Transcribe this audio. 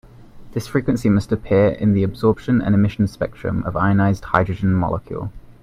This frequency must appear in the absorption and emission spectrum of ionized hydrogen molecule.